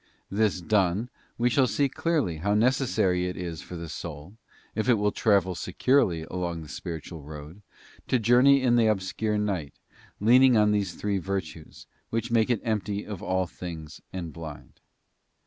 This done, we shall see clearly how necessary it is for the soul, if it will travel securely along the spiritual road, to journey in the obscure night, leaning on these three virtues, which make it empty of all things and blind.